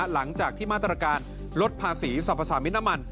หลังจากที่มาตรการลดภาษีสรรพสามิตรน้ำมัน